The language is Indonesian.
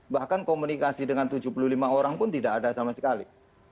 bahkan komunikasi dengan tujuh puluh lima orang pun tidak ada sama sekali